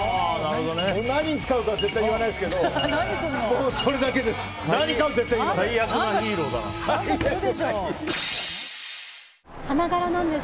何に使うかは絶対言わないですけどそれだけです。